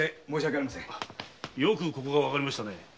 よくここがわかりましたね。